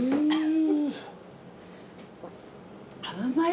うまい。